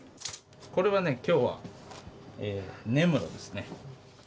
これはね、きょうは根室ですね。